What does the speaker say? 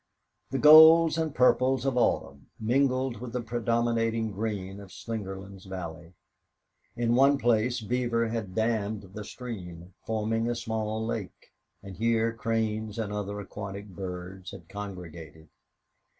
The golds and purples of autumn mingled with the predominating green of Slingerland's valley. In one place beaver had damned the stream, forming a small lake, and here cranes and other aquatic birds had congregated.